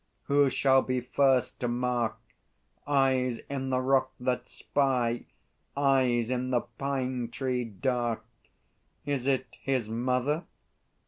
_ Who shall be first, to mark Eyes in the rock that spy, Eyes in the pine tree dark Is it his mother?